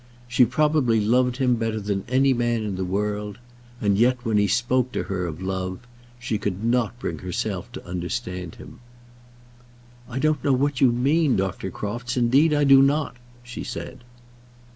She probably loved him better than any man in the world, and yet, when he spoke to her of love, she could not bring herself to understand him. "I don't know what you mean, Dr. Crofts; indeed I do not," she said.